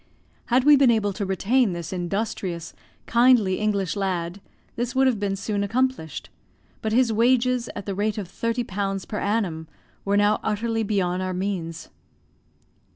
Had we been able to retain this industrious, kindly English lad, this would have been soon accomplished; but his wages, at the rate of thirty pounds per annum, were now utterly beyond our means.